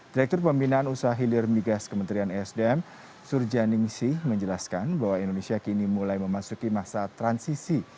direktur pembinaan usaha hilir migas kementerian esdm surjaningsih menjelaskan bahwa indonesia kini mulai memasuki masa transisi